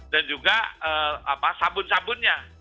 dan juga sabun sabunnya